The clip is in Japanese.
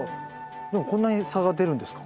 でもこんなに差が出るんですか？